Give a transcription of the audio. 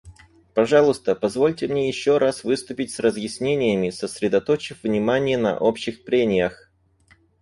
Пожалуйста, позвольте мне еще раз выступить с разъяснениями, сосредоточив внимание на общих прениях.